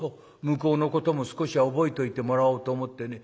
向こうのことも少しは覚えといてもらおうと思ってね